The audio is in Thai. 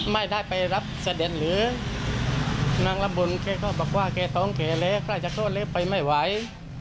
ไม่ได้ไปรับเสด็จหรือนางละมุนเข้าบอกว่าเขต้องเขเลยข้าจะโทษเลยไปไม่ไหว